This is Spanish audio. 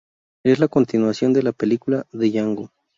Es la continuación de la película "Django".